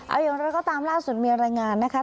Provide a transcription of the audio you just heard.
เอาอย่างไรก็ตามล่าสุดมีรายงานนะคะ